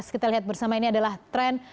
kita lihat bersama ini adalah tren